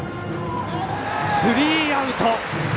スリーアウト。